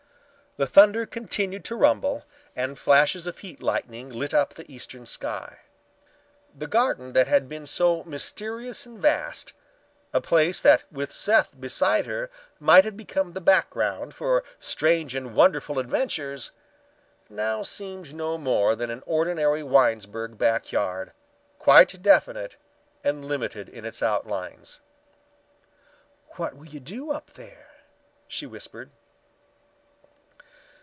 The thunder continued to rumble and flashes of heat lightning lit up the eastern sky. The garden that had been so mysterious and vast, a place that with Seth beside her might have become the background for strange and wonderful adventures, now seemed no more than an ordinary Winesburg back yard, quite definite and limited in its outlines. "What will you do up there?" she whispered.